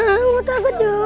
eh gua jatuh